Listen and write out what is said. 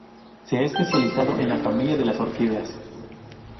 Se ha especializado en la familia de las orquídeas.